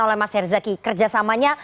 oleh mas herzaki kerjasamanya